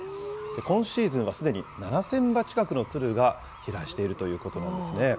今シーズンはすでに７０００羽近くのツルが飛来しているということなんですね。